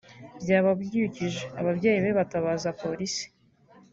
byababyukije ; ababyeyi be batabaza Polisi